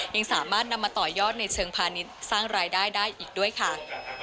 ยังสามารถนำมาต่อยอดในเชิงพาณิชย์สร้างรายได้ได้อีกด้วยค่ะ